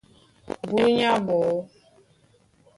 Búnyá ɓɔɔ́,